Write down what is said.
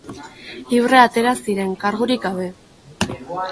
Libre atera ziren, kargurik gabe.